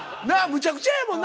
むちゃくちゃやもんな？